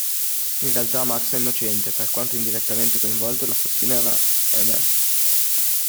In realtà Max è innocente, per quanto indirettamente coinvolto; l’assassino era Ms.